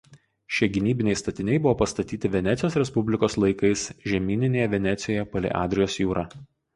Šie gynybiniai statiniai buvo pastatyti Venecijos respublikos laikais Žemyninėje Venecijoje palei Adrijos jūrą.